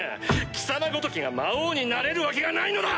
貴様ごときが魔王になれるわけがないのだ！